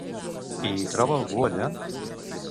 I hi troba algú allà?